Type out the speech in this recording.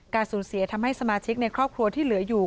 สูญเสียทำให้สมาชิกในครอบครัวที่เหลืออยู่